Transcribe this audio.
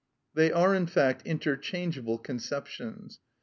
They are in fact interchangeable conceptions.